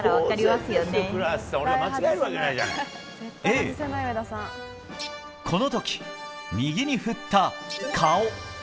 Ａ、この時、右に振った顔。